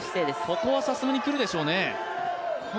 ここはさすがにくるでしょうね。